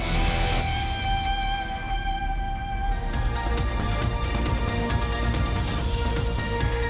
ตัวเหตุ